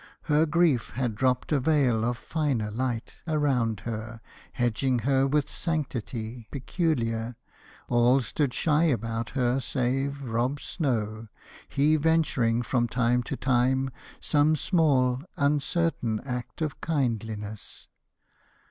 Her grief had dropped a veil of finer light Around her, hedging her with sanctity Peculiar; all stood shy about her save Rob Snow, he venturing from time to time Some small, uncertain act of kindliness.